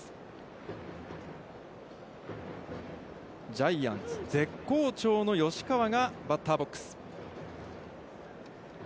ジャイアンツ絶好調の吉川がバッターボックス。